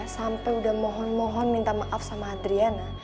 sampai udah mohon mohon minta maaf sama adriana